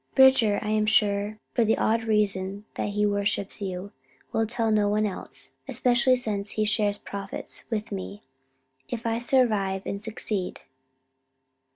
Bridger, I am sure for the odd reason that he worships you will tell no one else, especially since he shares profits with me, if I survive and succeed.